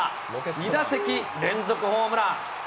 ２打席連続ホームラン。